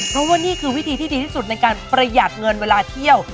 เพราะว่านี่คือวิธีที่ดีที่สุดในการประหยัดเงินเวลาเที่ยว